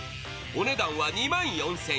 お値段は２万４０００円。